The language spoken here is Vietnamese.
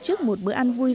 hai hoặc ba ngày